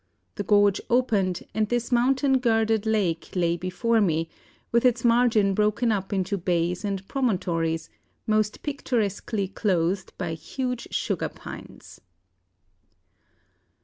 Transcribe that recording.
The gorge opened, and this mountain girdled lake lay before me, with its margin broken up into bays and promontories, most picturesquely clothed by huge sugar pines."